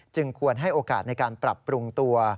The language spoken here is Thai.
ควรให้โอกาสในการปรับปรุงตัว